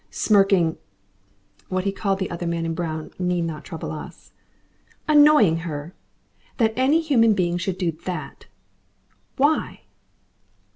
"Smirking " What he called the other man in brown need not trouble us. "Annoying her!" That any human being should do that! "WHY?"